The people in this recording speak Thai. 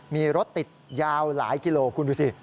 มีรถติดยาวหลายกิโลคุณดูสิ